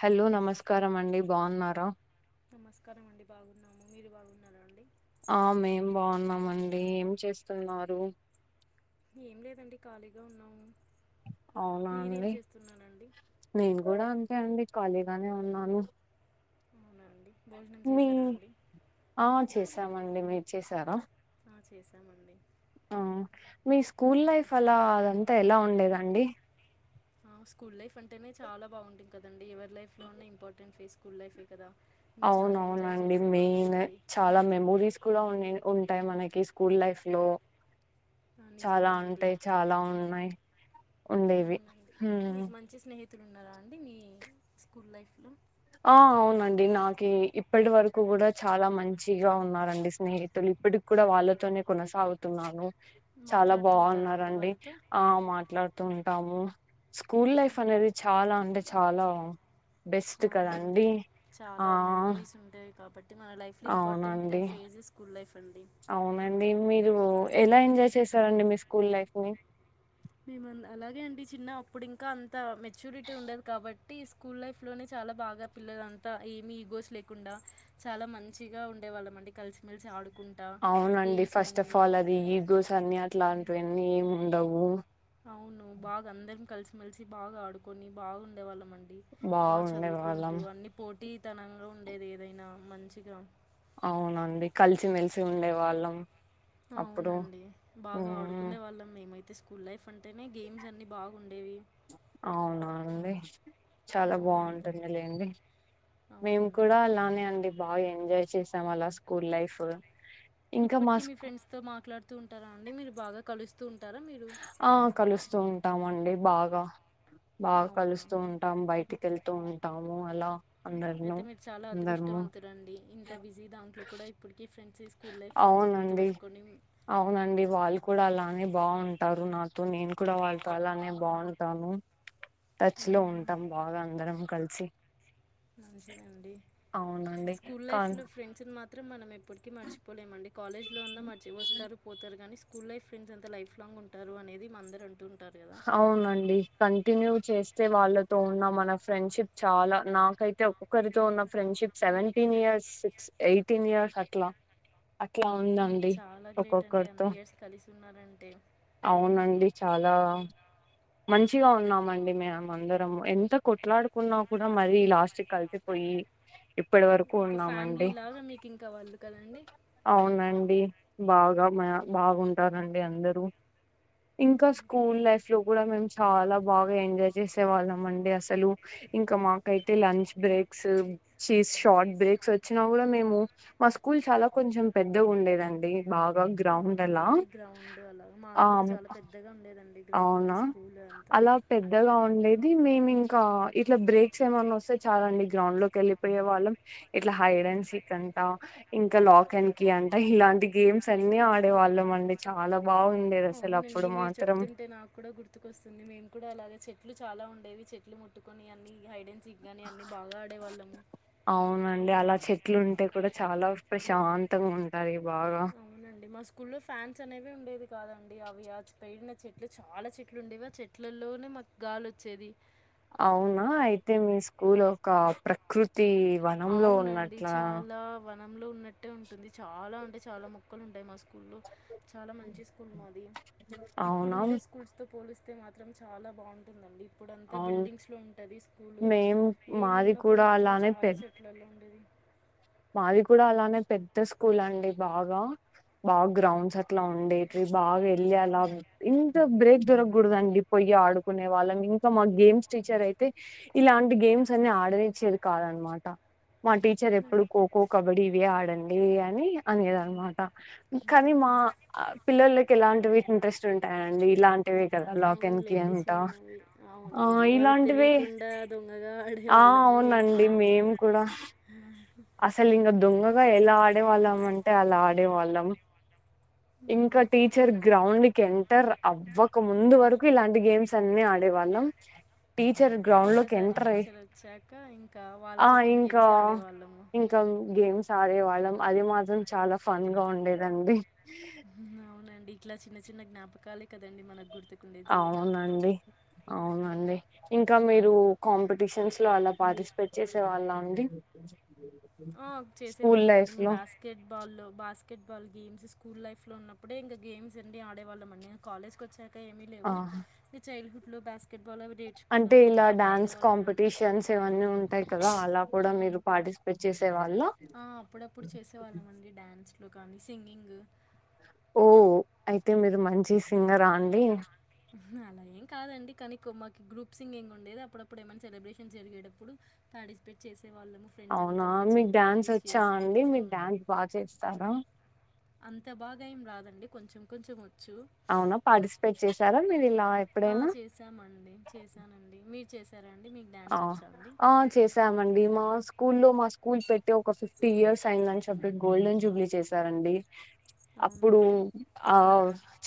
Hello నమస్కారం అండి బాగున్నారా నమస్కారం అండి బాగున్నాము మీరు బాగున్నారా అండి ఆ మేం బాగున్నామండి ఏం చేస్తున్నారు ఏం లేదండి ఖాళీగా ఉన్నాము అవునా మీరేం అండి చేస్తున్నారండి నేను కూడా అ లేదండి ఖాళీగానే ఉన్నాను అవునా అండి భోజనం మీ చేశారా అండి ఆ చేస్ తామండి మీరు చేశార ఆ చేశామండి ఆ మీ స్కూల్ లైఫ్ అలా అదంతా ఎలా ఉండేదండి స్కూల్ లైఫ్ అంటేనే చాలా బాగుంటాంది కదండి ఎవరి లైఫ లో ఉన్న ఇంపార్టె స్కూల్ లైఫే కదా మేము అవున చాలా ఎంజాయ్ అవునండి మెయిన్ చేసేవాళ్ళమండి చాలా మెమోరీస్ కూడా ఉన్నా ఉంటాయి మనకి స్కూల్ లైఫ్ లో ఆ, చాలా నిజమే అండి ఉంటాయి, చాలా ఉన్నాయి. మ ఉండేవి అవునండి హ్మ్మ్ మీకు మంచి స్నేహితులు ఉన్నారా అండి మీ స్కూల్ లైఫ్లో ఆ అవునండి నాకి ఇప్పటి వరకు కూడా చాలా మంచిగా ఉన్నారండి స్నేహితులు. ఇప్పటికి కూడా వాళ్ళతోనే కొనసాగుతున్నాను. చాలా మాట్లాడుతుంటారా అండి బావున్నారండి వాళ్ళతో ఆ మాట్లాడు ఉంటామూ స్కూల్ లైఫ్ ఉమ్, అనేది చాలా ఉండ చాలా బెస్ట్ అవునండి కదండి ఆ చాలా మెమరీస్ ఉంటాయి. కాబట్టి మన లైఫ్ లో ఇంపార్టెంట్ ఫేజ్ స్కూల్ లైఫ్ అండి అవును అండి మీరు ఎలా ఎంజాయ్ చేశారండి మీ స్కూల్ లైఫ్ ని మేము అంద అలాగే అండి చిన్న అప్పుడు ఇంకా అంత మెచ్యూరిటీ ఉండదు కాబట్టి స్కూల్ లైఫ్ లోనే చాలా బాగా పిల్లలు అంతా ఏమి ఈగోస్ లేకుండా చాలా మంచిగా ఉండేవాళ్ళం అండి కలిసిమెలిసి ఆడు అవునండి ఫస్ట్ ఆఫ్ ఆల్ అది ఈగో సన్నియాట్లా అంట. అన్నీ ఉండవు. అవును బాగా అందరం కలిసి మెల్సి బాగా ఆడుకొని బాగుండేవాళ్ళం అండి బాగుండే వాళ్ళం ఇ తనంగా ఉండేది ఏదైనా మంచిగా అవునండి కలిసిమెలిసి ఉండే వాళ్ళం. అప్పుడు అవునండి బాగా మ్మ్ ఆడుకునే వాళ్ళం మేమైతే స్కూల్ లైఫ్ అంటేనే గేమ్స్ అన్ని బాగుండేవి. అవునానండి చాలా అవునండి. బాగుంటుంది లెండి. మేము అవునండి. కూడా అలానే అండి బాగా ఎంజాయ్ చేసాం అలా స్కూల్ లైఫ్ ఇంకా మా ఇప్పటికీ మీ స్కూ ఫ్రెండ్స్ తో మాట్లాడు తుంటార అండి మీరు బాగ కలుస్తు ఆ కలుస్తూ ఉంటామండి బాగా బాగా అవునా కలుస్తూ అండి. ఉంటాం బయటికెళ్ ఉంటాము అలా అందరును అయితే మీరు చాలా అందరము అదృష్టవంతులండి, ఇంత బిజీ దాంట్లో కూడా ఇప్పటికిీ ఫ్రెండ్స్ తీ అవునండి అవునండి వాళ్ళు కూడ అలా అని బాగుంటారు నాకు నేను కూడా వాళ్ళతో అలానె బాగుం తాను టచ్ లో ఆ! ఉంటాం బాగా అందరం కలిసి మంచిదండి అవునండి స్కూల్ కానీ లైఫ్లో ఫ్రెండ్స్ని మా త్రం మనం ఏ ప్పటికీ మర్చిపోలేమండి. కాలేజ్ లో ఉన్నా మర్చి వస్తారు పోతారు కానీ స్కూల్ లైఫ్ ఫెండ్స్ంత లైఫ్ లాంగ్ ఉంటారు. అనేది అందరు అంటు ఉం అవునండి కంటిన్యూ చేస్ వాళ్ళతో ఉన్న మన ఫ్రెండ్షిప్ చాలా నాకైతే ఒక్కొక్కరితో ఉన్న friendship seventeen years six eighteen years అట్లా అట్లా ఆ, ఉందండి ఒక్కొక్కరితో ఉన్నారంటె అవునండి చాలా మంచిగా ఉన్నామండి మేము అందరము ఎంత కొట్లాడుకున్నా కూడా మరీ లాస్ట్కలిసిపోయి ఇప్పటి వరకు ఒక ఫ్యామిలీ ఉన్నామండి లాగా మీకు ఇంకా వాళ్ళు కదండి అవునండి. బాగా మ బాగుంటారండి అందరూ ఆ, ఇంకా స్కూల్ లైఫ్ లో కూడా మేము చాలా బాగా ఎంజాయ్ చేసే వాళ్ళం. అండి అసలు ఇంకా మాకైతే లంచ్ బ్రేక్స్ చిస్ షార్ట్ బ్రేక్స్ వోచ్చిన కూడా మేము మా స్కూల్ చాలా కొంచెం పెద్దగా ఉండేదండి. బాగా గ్రౌండ్ అవునా అలా అండి గ్రౌండ్ అలా ఆ మాది కూడా చాలా పెద్దగా ఉండేదండి గ్రౌండ్ అవునా స్కూల్ అవును అంతా అలా పెద్దగా ఉండేది మేము ఇంకా ఇట్లా బ్రేక్స్ ఏమన్నా వస్తే చాలా అండి గ్రౌండ్ లోకి వెళ్ళలిపోయే వాళ్ళం. ఇట్లా హైడ్ అండ్ సిక్ అంటా ఇంకా లాక్ అండ్ కి అంట ఇలాంటి గేమ్స్ అన్ని ఆడే వాళ్ళం. అండి చాలా బాగుండేది అసలు అప్పుడు మాత్రం వస్తుంది. మేము కూడా అలాగ చెట్లు చాలా ఉండేవి చెట్లు ముట్టుకొని అన్ని హైడెన్ సిగ్గాని అన్ని బాగా ఆడేవాళ్ళము టే కూడా చాలా ప్రశాంతంగా ఉంటది బాగా అవునండి మా స్కూల్లో ఫ్యాన్స్ అనేవి ఉండేది కాదండి అవి ఆ పేరీగిన చెట్లు చాలా చెట్లు ఉండేవి ఆ చెట్లలోనే మాకు గాలివోచ్చేది. అవునా అయితే మీ స్కూల్ ఒక ప్రకృతి తి వనంలో ఉన్నట్లా నంలో ఉన్నట్టే ఉంటుంది. చాలా అంటే మొక్కలు ఉంటాయి. మా స్కూ ల్లో చాలా మంచి స్కూల్ మాది. అవునా ఇప్పుడుండే స్కూల్స్ పోలిస్తే ఇది మాత్రం చాలా బాగుంటుందండి ఇప్పుడు అంతా అవును బిల్డింగ్స్ లో ఉంటది. స్కూల్ మేం మేము మాది ఉన్నప్పుడు కూడా మాత్రం అలానే చాలా పెద్ద చె ఉండేది మాది కూడా అలానే పెద్ద స్కూల్ అండి బాగా బాగా గ్రౌండ్స్ అట్లా ఉండేటివి. బాగా వెళ్ళి అలా ఇంత బ్రేక్ దొరకకూడదండి. పొయ్యి ఆడుకునే వాళ్ళం. ఇంకా మా గేమ్స్ టీచర్ అయితే ఇలాంటి గేమ్స్ అన్ని ఆడనిచ్చేది కాదన్నమాట మా టీచర్ ఇప్పుడు ఖోఖో కబడ్డి ఇవే ఆడే డే అని అనేది అన్నమాట కానీ మా పిల్లలకి ఇలాంటివి ఇంట్రెస్ట్ ఉంటాయండి ఇలాం అవునులేండి సన్నవి ఆ అవునండి వాళ్ళకి ఇలాంటివే తెలియకుండా దొంగగా ఆడే ఆ వాళ్ళము మేము అవునండి కూడా మేము కూడా అసలు ఇంకా దొంగగా ఎలా ఆడేవాళ్ళం అంటే అలా ఆడే వాళ్ళం ఇంక ఉమ్. టీచర్ గ్రౌండ్ ఎంటర్ అవ్వక ముందు వరకు ఇలాంటి గేమ్స్ అన్ని ఆడే వాళ్ళం ఒకసారి టీచర్ వచ్చాక ఇంకా వాళ్ళు ఆ చెప్పిన ఇంకా గేమ్స్ ఆడేవా ఇంకా గేమ్స్ మ్స్ ఆడేవాళ్ళం అది మాత్రం చాలా ఫన్ గా ఉండేదండి అవునండి ఇట్లా చిన్న చిన్న జ్ఞాపకాలే కదండి మన గుర్ అవునండి అవునండి ఇంకా మీరు కాంపిటీషన్స్ లో అలా పార్టిసిపేట్ చేసే వాళ్ళ అండి ఆ చేసే స్కూల్ వాళ్ళ మండి లైఫ్ లో బాస్కెట్ బాల్లో basketball games school life లో ఉన్నప్పుడే ఇంకా గేమ్స్ అండి ఆడేవాళ్ళం అండి కాలేజ్కి వచ్చా కా ఏమి లేవు ఆ ఈ childhood full basketball అవి అంటే నేర్చుకున్నాము ఇలా ఇంకా అవే డాన్స్ ఆడేవాళ్ళమండి కాంపిటీషన్స్ ఇవన్నీ ఉంటాయి కదా అలా కూడా మీరు పార్టిస్ పేచ్చేస్ ఆ అప్పుడప్పుడు చేసే వాళ్ళం అండి డ్యాన్స్ లోకాని సింగింగ్ ఓ అయితే మీరు మంచి సింగరా అండి అలా ఏం కాదండి కానీ కో మాకి గ్రూప్ సింగింగ్ ఉండేది అప్పుడప్పుడు ఏమైనా సెలబ్రేషన్ జరిగేటప్పుడు పార్టిసిపేట్ చేస్ అవునా మీకు డ్యాన్స్ వచ్చా చేసి అండి మీకు డ్యాన్స్ బాగా చేస్తారా అంత బాగా ఏం రాదండి కొంచెం కొంచెం వ చ్చు అవునా పార్టిసిపేట్ చేశారా పాటిస్పేట్ మీరు ఇలా చేసినర మీరు ఇ ఆ ఎప్పుడైనా చేశామండి చేశానండి మీ చేశారు ఆ ఆ చేసామండి మా స్కూ లో మా స్కూల్ పెట్టి ఒక ఫిఫ్టీ ఇయర్స్ అయిందని చెప్పి గోల్డెన్ జూబ్లీ చేశారండి అవునా అప్పుడు అండి? ఆ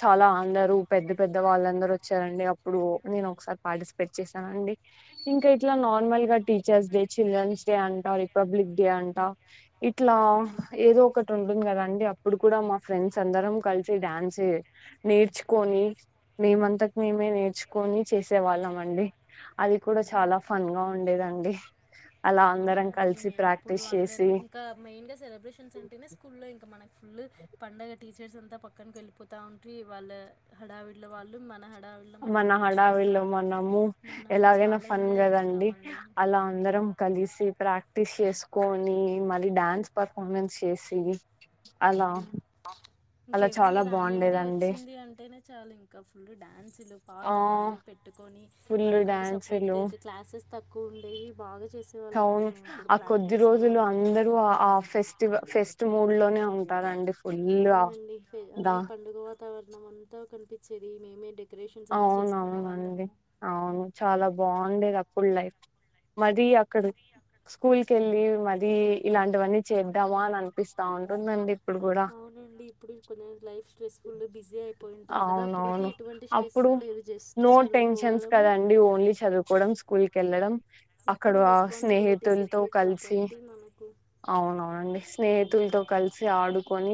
చాలా అందరూ పెద్ద పెద్ద వాళ్ళందరూ వచ్చారండి అప్పుడు నేను ఒకసారి పార్టిసిపేట్ చేశానండి ఇంకా హ్మ్. ఇట్ల నార్మల్ గా టీచర్స్ డే చిల్డ్రన్స్ డే అంట రిపబ్లిక్ డే అంటా ఇట్లా ఏదో ఒకటి ఉంటుంది కదా అండి అప్పుడు కూడా మా ఫ్రెండ్స్ అందరం కలిసి డ్యాన్స్ నేర్చుకొని మేమంతకు మేమే నేర్చుకొని చేసే వాళ్ళం అండి అది కూడా చాలా ఫన్ గా ఉ ఉండేదండి అలా అందరం కలిసి అవునండి అప్పుడు ప్రాక్టీస్ అందరు చేసి ఇంకా మెయిన్ గా సెలబ్రేషన్స్ అంటేనే స్కూల్ లో ఇంకా మనకి ఫుల్ు పండగట్ టీచర్స్ అంతా పక్కనకు వెళ్ళిపోతా ఉంటవి వాళ్ళ హడావిడ్ల వాళ్ళు మన హడావిడిలో మనం మన నేర్చుకుంటా హడావిల్లో మనము మనము ఎలాగైనా చాలా ఫన్ ఎంజాయ్ కదండి చేస్తామండి అలా అందరం కలిసి ప్రాక్టీస్ చేసుకొని మళ్ళీ డాన్స్ పర్ఫార్మెన్స్ చేసి అలా ఇంక అలా ఎవ్రీ చాలా ఇయర్ యాన్యువల్ డే బాగుండేదండి వచ్చింది అంటేనే చాలుా ఇంకా ఫుల్ డ్యాన్సులు ఆ పాటలు అన్నీ పెట్టుకొని ఫుల్ మనకంటే సపరేట్గా డ్యాన్సులు ఇంకా క్లాసెస్ తక్కువ ఉండేవి బాగా చేసేవాళ్ళం అండి అవును మేము కూడా ఆ కొద్ది ప్రాక్టీస్లు రోజులు అవి అందరూ ఆ ఆ ఫెస్టివల్ ఫెస్టి మూడ్ లోనే ఉంటారండి ఫుల్ ఆ అవునండి దా అన్ని పండుగ వాతావరణం అంతా కనిపి చేది మేమే డెకరేషన్స్ అన్నీ చేసుకునే అవునవునండి వాళ్ళము అవును చాలా బాగు డేది అప్పుడు లైఫ్ మది అక్కడ స్కూల్ కేళ్ళి అది ఇలాంటివన్నీ చేద్దామా అని అనిపిస్తు అవునండి ఇప్పుడు కొ లైఫ్ స్ట్రెస్ఫుల్ బిజీ అయిపోయి ఉంటాం కదా అప్పుడైతే అవునవును ఎటువంటి స్ట్రెస్ అప్పుడు లేదు జస్ట్ నో టెన్షన్స్ చదువుకోవడము కదండి ఓన్లీ చదువుకోవడం స్కూల్ కి వెళ్ళడం అక్కడ ఇప్పుడు అసలు రెస్పాన్సిబిలిటీస్ స్నేహితులతో ఎక్కువ వేరే కలిసి కాబట్టి మనకు అవునవునండి స్నేహితు పతో కలిసి ఆడుకొని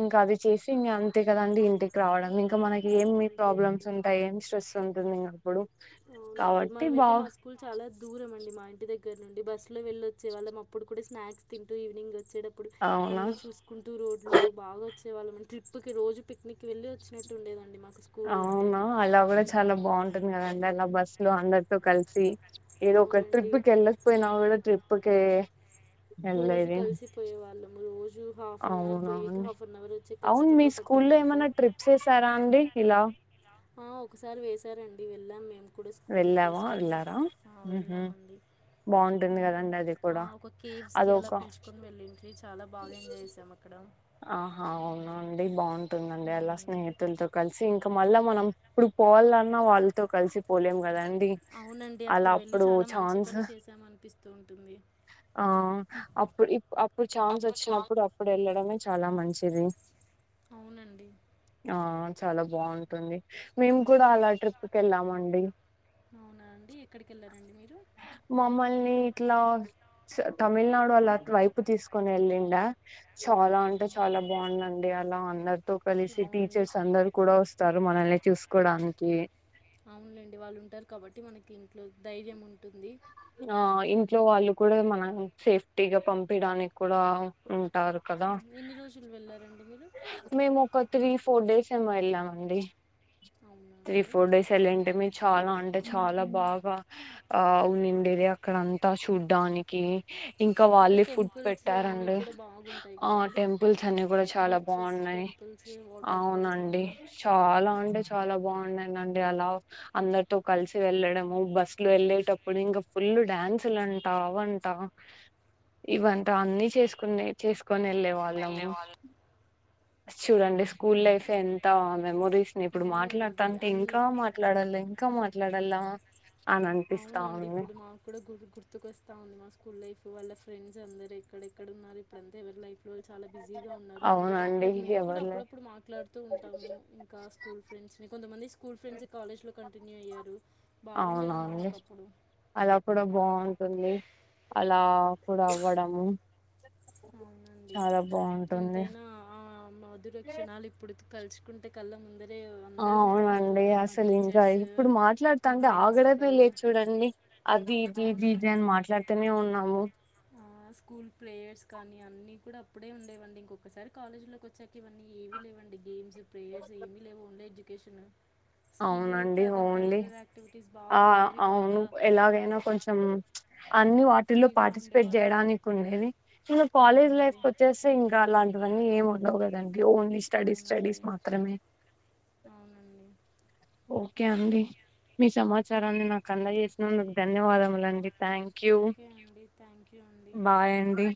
ఇంకా అది చేసి ఇ అంతే కదండి ఇంటికి రావడం ఇంకా మనకి ఏమి మనకి అంతే ఎన్ని ప్రాబ్లమ్స్ అండి ఉంటాయి ఏమి స్ట్రెస్ ఉంటాయి అ ఇప్పుడు ఉంటుంది అవునండి కాబట్టి మేమైతే బావ మా అవన్నీ స్కూల్ చాలా సాల్వ్ దూరం అండి మా ఇంటి దగ్గర నుండి బస్సు లో వెళ్ళొచ్చే వాళ్ళం అప్పుడు కూడా స్నాక్స్ తింటూ ఈవినింగ్ వచ్చేటప్పుడు అవునా అన్ని చూసుకుంటూ రోడ్ లో బాగా వాళ్ళ ట్రిప్కి రోజు మీకు వెళ్ళి వచ్చినట్టుండదండి మాకు స్కూల్ అవునా అంటేనే అలా కూడా చాలా బాగుంటుంది కదండి అలా బస్లో అందరితో కలిసి ఏదో ఒక అవునండి ట్రిప్కి వెళ్ళసిపోయినా కూడా ట్రిప్ ప్పుకే రోజు కలిసి పోయే వాళ్ళము రోజు హాఫ్ అన్ అవర్ అవునా పోయకి అండి హాఫ్ అన్ అవర్ వచ్చి అవును మీ ఖచ్చితంగా పట్టేది మాకు ఎలా ఆ ఒకసారి వేశారండి వెళ్ళాం మేము కూడా స్కూల్క వెళ్ళావా స్కూల్ వెళ్ళారా ఉహు వెళ్ళామండి బాగుంటుంది కదండి అది కూడా ఒక కేవ్స్కి అలా అదొక పిలుచుకొని వెళ్ళింట చాలా బాగా ఎంజాయ్ చేసాము అక్కడ ఆహా అవునండి బాగుంటుందండి అలా అవునండి స్నేహితులతో కలిసి ఇంక మళ్ళా మనం ఇప్పుడు పోవాలన్నా వాళ్ళతో కలిసి పోలేం కదండి అవునండి అలా వెళ్ళి అప్పుడు చాలా మంచి చాన్స్ పని చేసాం అనిపిస్తూ ఉంటుంది అప్పు అప్పుడు చాన్స్ వచ్చినప్పుడు అప్పుడు వెళ్ళడే చాలా మంచిది అవునండి ఆ చాలా బాగుంటుంది మేము కూడా అలా ట్రిప్కి వెళ్ళామండి అవునా అండి ఎక్కడికెళ్ళాల మమ్మల్ని ఇట్లా తమిళనాడు అలా వైపు తీసుకొని వెళ్ళిండా చాలా అంటే అవునా చాలా బాగుందండి అలా అందరితో అలా కలిసి అవునండి టీచర్స్ మంచి అందరు కూడా వ స్తారు మనల్ని చూసుకోడానికి అవునులేండి వాళ్ళు ఉంటారు కాబట్టి మనకి ఇంట్లో ధైర్యం ఉంట ఆ ఇంత ఇంట్లో వాళ్ళు కూడా మనం సేఫ్టీగా పంపడానికి కూడా ాకదా ఉమ్, ఉంటారు ఎన్ని రోజులు వెళ్ళారండి మీరు మే మొకా త్రీ ఫోర్ డేస్ ఏమో వెళ్ళామ అండి అవునా త్రీ అండి ఫోర్ డేస్ వెళ్ళంటే మీ చాల యాంటె చాల చాలా బాగా ఆ ఉన్నిండేది అక్కడ అంతా చూడ్డానికి ఇంకా అక్కడ వాళ్ళి ఫుడ్ టెంపుల్స్ అన్నీ పెట్టారంండి కూడా బాగుంటాయి ఆ కదండి టెంపుల్స్ అన్ని కూడా చాలా బీచెస్ చాలా బాగున్నాయి టెంపుల్స్ వాటర్ ఫాల్స్ అవునండి అన్నీ చాలా అంటే చాలా బాగు బావుండేనండి అలా అందరితో కలిసి వెళ్ళడము బస్సులో వెళ్ళేటప్పుడు ఇంకా ఫుల్ డ్యాన్సులుంట అవి అంట ఇవంట అన్ని చేసుకున్నె చేస్ కొని వెళ్ళే వాళ్ళము చూడండి స్కూల్ లైఫ్ ఎంతా మెమోరీస్ ని ఇప్పుడు మాట్లాడుతా అవునండి అంటే ఇంకా అన్నీ మాట్లాడాల ఇంకా మాట్ ట్లాడలా అవునండి ఇప్పుడు మాకు కూడా గు గుర్తుకొస్తా ఉంది మా స్కూల్ లైఫ్ వాళ్ళ ఫ్రెండ్స్ అందరు ఎక్కడెక్కడ ఉన్నారు ఇప్పుడు అంత ఎవరి లైఫ్ వాళ్ళు చాలా బిజీగా ఉన్నారు అవునండి బట్ మేము కూడా ఎవర్లే అప్పుడప్పుడు మాట్లాడుతూ ఉంటాము ఇంకా స్కూల్ ఫ్రెండ్స్ నీ కొంతమంది మా ఫ్రెండ్స్ కాలేజ లో కంటిన్యూ అయ్యారు బాగుండదు అవును అలా కూడా బాగుంటుంది అలా! ప్పుడు అవ్వడము అవునండి చాలా బాగుంటుంది ఎంతైనా ఆ మధుర క్షణాలు ఇప్పుడు తల్చుకుంటే కళ్ళము ఆ అవునండి అసలు ఇంకా టీచర్స్ ఇప్పుడు మా మాట్లాడుతంటే ఫ్రెండ్స్ ఆగడె పిళ్ వాళ్ళు లేదు చూడండి అది ఇది ఇది ఇది అని అవునండి మాట్లాడుతూనే ఉన్నాము. ఆ, స్కూల్ ప్లేయర్స్ కానీ అన్నీ కూడా అప్పుడే ఉండేవండి ఇంకొకసారి కాలేజీలోకోచ్చాక ఇవన్నీ ఏమీ లేవండి గేమ్స్, ప్రేలేయర్స్ ఏమీ లేవు ఓన్లీ ఎడ్యుకేషన్. స్కూల్లో అయితే అవునండి అదర్ ఓన్లీ కరిక్యులర్ యాక్టివిటీస్ ఆ బాగుండేవి అవును బాగా ఎలాగైనా కొంచెం అన్ని వాటిల్లో ఫ్రీగా పార్టిసిపేట్ ఉండేవాళ్ళము చేయడానికి ఉండేది. ఇంకా కాలేజ్ లైఫ్ అవునండి వచ్చేసి ఇంకా అలాంటివన్నీ ఏమి! బాగోధం ఓన్లీ స్టడీస్ స్టడీస్ అవునండి మాత్రమే అవునండి ఓకే అండి మీ సమాచారాన్ని నాకు అందజేసినందుకు ధన్యవాదముల అండి. థ్యాంక్ యూ ఓకే అండి థ్యాంక్ యూ అండి బాయ్ అండి.